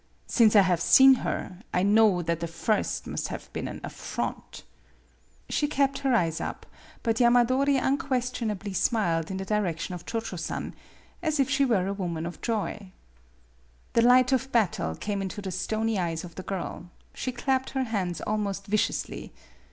Since I have seen her I know that the first must have been an affront." She kept her eyes up, but Yamadori un questionably smiled in the direction of Cho Cho San as if she were a woman of joy! MADAME BUTTERFLY 41 The light of battle came into the stony eyes of the girl. She clapped her hands almost viciously.